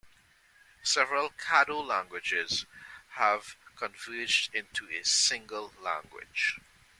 The several Caddo languages have converged into a single language.